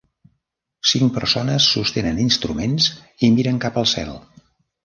Cinc persones sostenen instruments i miren cap al cel.